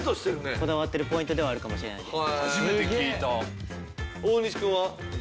こだわってるポイントではあるかもしれないです。